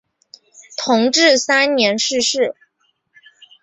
同治三年逝世。